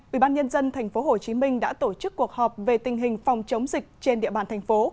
ủy ban nhân dân tp hcm đã tổ chức cuộc họp về tình hình phòng chống dịch trên địa bàn thành phố